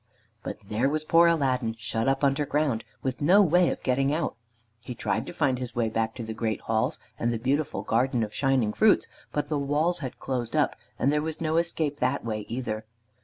But there was poor Aladdin shut up underground, with no way of getting out! He tried to find his way back to the great halls and the beautiful garden of shining fruits, but the walls had closed up, and there was no escape that way either.